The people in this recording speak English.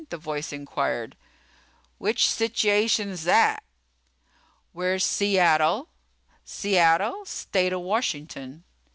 the voice inquired. "Which situation's 'at?" "Where's Seattle?" "Seattle? State o' Washington."